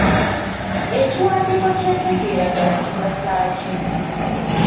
Ekiwandiiko ky'entegeeragana kigasa ki?